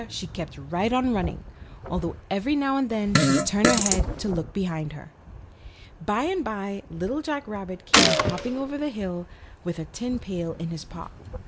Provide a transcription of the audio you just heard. she kept right on running, although every now and then she'd turn her head to look behind her. By and by Little Jack Rabbit came hopping over the top of the hill with a tin pail in his paw.